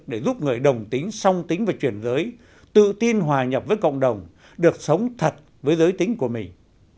để giúp người đồng tính song tính và chuyển giới tự tin hòa nhập với cộng đồng được sống thật với giới tính của mình